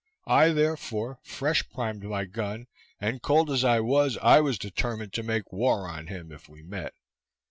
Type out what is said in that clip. I, therefore, fresh primed my gun, and, cold as I was, I was determined to make war on him, if we met.